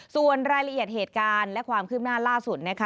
ส่วนรายละเอียดเหตุการณ์และความคืบหน้าล่าสุดนะคะ